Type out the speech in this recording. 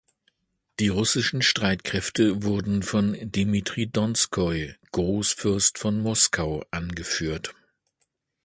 Die russischen Streitkräfte wurden von Dmitri Donskoi, Großfürst von Moskau, angeführt.